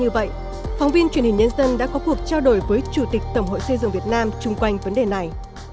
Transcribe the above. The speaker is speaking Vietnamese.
như vậy phóng viên truyền hình nhân dân đã có cuộc trao đổi với chủ tịch tổng hội xây dựng việt nam chung quanh vấn đề này